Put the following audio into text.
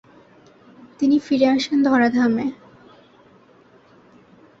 তিনি ফিরে আসেন ধরাধামে।